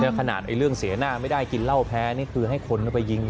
ขนาดเรื่องเสียหน้าไม่ได้กินเหล้าแพ้นี่คือให้คนไปยิง